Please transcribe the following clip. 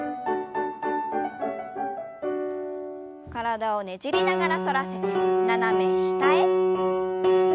体をねじりながら反らせて斜め下へ。